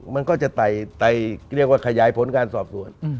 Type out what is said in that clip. มันก็จะไต่เรียกว่าขยายผลการสอบสวน